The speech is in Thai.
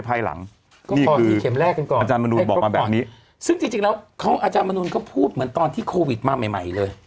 พูดเหมือนตอนที่โควิดมาใหม่เลย